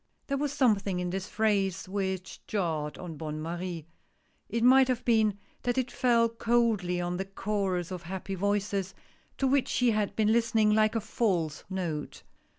There was something in this phrase which jarred on Bonne Marie. It might have been that it fell coldly on the chorus of happy voices to which she had been listening, like a false note.